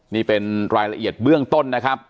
นี่เป็นรายละเอียดเบื้องต้นนะครับ